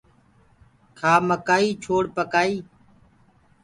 کآ مڪآئي ڇوڙ پڪآئي